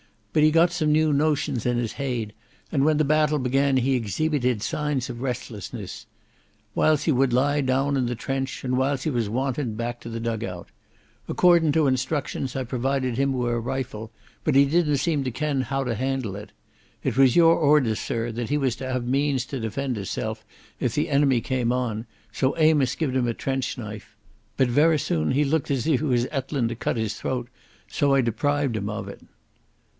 But he got some new notion in his heid, and when the battle began he exheebited signs of restlessness. Whiles he wad lie doun in the trench, and whiles he was wantin' back to the dug out. Accordin' to instructions I provided him wi' a rifle, but he didna seem to ken how to handle it. It was your orders, sirr, that he was to have means to defend hisself if the enemy cam on, so Amos gie'd him a trench knife. But verra soon he looked as if he was ettlin' to cut his throat, so I deprived him of it."